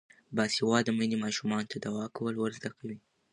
باسواده میندې ماشومانو ته دعا کول ور زده کوي.